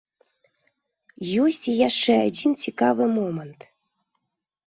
Ёсць і яшчэ адзін цікавы момант.